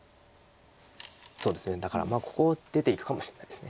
そうですねだからここ出ていくかもしれないです。